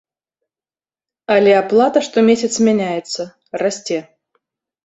Але аплата штомесяц мяняецца, расце.